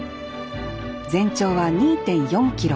全長は２．４キロ。